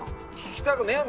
聞きたくねぇよ